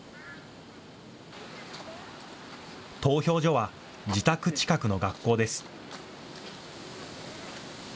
投票所は自宅近くの学校です。